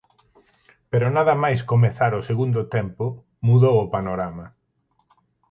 Pero nada máis comezar o segundo tempo, mudou o panorama.